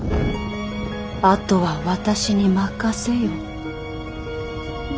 あとは私に任せよ。